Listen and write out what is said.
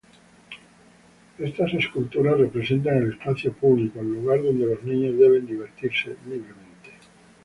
Estas esculturas representan al espacio público, al lugar donde los niños deben divertirse libremente.